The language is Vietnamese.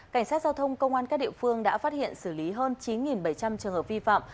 cảnh sát giao thông công an các địa phương đã phát hiện xử lý hơn chín bảy trăm linh trường hợp vi phạm